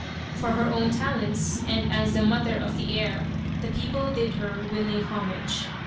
For her own talents, and as the mother of the heir, the people did her willing homage.